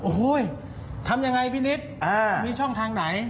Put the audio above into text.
โอ้โหทำยังไงพี่นิดมีช่องทางไหน